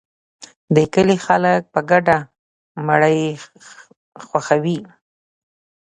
د کلي خلک په ګډه مړی ښخوي.